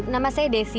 nama saya desi